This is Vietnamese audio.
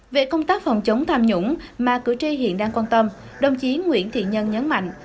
về công tác phòng chống tham nhũng mà cử tri hiện đang quan tâm đồng chí nguyễn thiện nhân nhấn mạnh